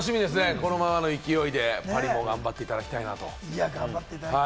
このままのいきおいでパリも頑張っていただきたいなと思います。